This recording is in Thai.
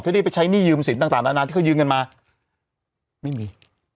ที่ได้ไปใช้หนี้ยืมสินต่างนานาที่เขายืมเงินมาไม่มี